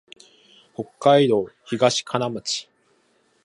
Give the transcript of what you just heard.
北海道東川町